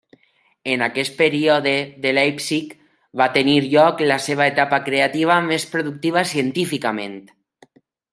En aquest període de Leipzig va tenir lloc la seva etapa creativa més productiva científicament.